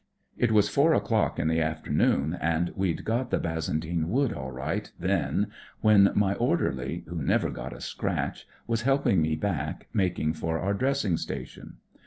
It was four o'clock in the afternoon, and we'd got the Bazentin Wood all, right, then, when my orderly, who never got a scratch, was helping me back, making for our dressing station.